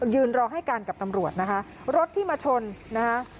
ยืนรอให้การกับตำรวจนะคะรถที่มาชนนะคะ